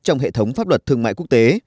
trong hệ thống pháp luật thương mại quốc tế